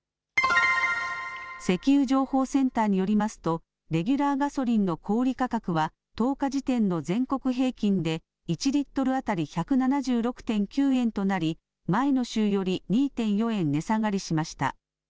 石油情報センターによりますとレギュラーガソリンの小売価格は１０日時点の全国平均で１リットル当たり１７６．９円となり前の週より２．４円値下がりしました。